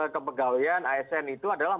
kepegawaian asn itu adalah